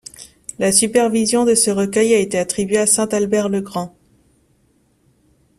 La supervision de ce recueil a été attribuée à Saint Albert le Grand.